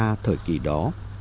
người kỳ đó